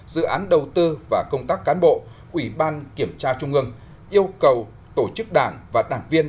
dự án đầu tư và công tác cán bộ ủy ban kiểm tra trung ương yêu cầu tổ chức đảng và đảng viên